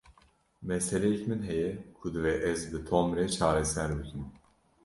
Meseleyek min heye ku divê ez bi Tom re çareser bikim.